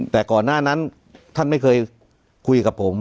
แต่ก่อนหน้านั้นท่านไม่เคยคุยกับผม